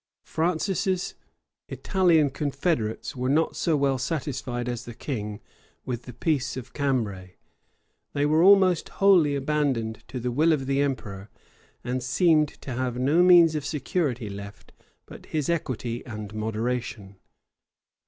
Francis's Italian confederates were not so well satisfied as the king with the peace of Cambray: they were almost wholly abandoned to the will of the emperor, and seemed to have no means of security left but his equity and moderation.